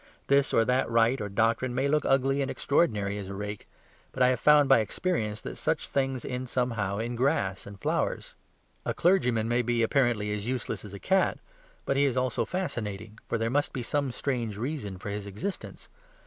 This or that rite or doctrine may look as ugly and extraordinary as a rake; but I have found by experience that such things end somehow in grass and flowers. A clergyman may be apparently as useless as a cat, but he is also as fascinating, for there must be some strange reason for his existence.